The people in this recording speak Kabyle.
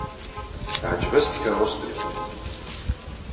Teɛjeb-as tkeṛṛust-nwent.